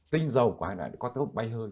tinh dầu của hai loại có thơm bay hơn